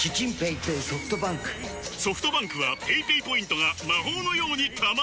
ソフトバンクはペイペイポイントが魔法のように貯まる！